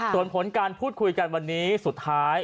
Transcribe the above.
ส่วนผลการพูดคุยกันวันนี้สุดท้าย